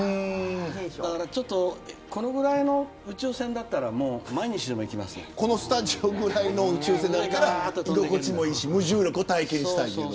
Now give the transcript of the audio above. だから、ちょっとこのぐらいの宇宙船だったらこのスタジオぐらいの宇宙船だったら、居心地もいいし無重力を体験したいけど。